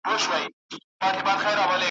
د واسکټونو دا بد مرغه لړۍ ,